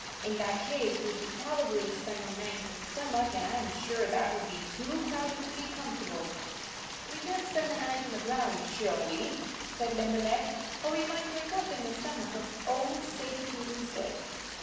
In that case, we should probably 63 spend the night in his stomach, and I am sure that would be too crowded to be com fortable." " We can t spend the night on the ground surely," said Limberleg. "Or we might wake up in the stomach of old Saber tooth instead."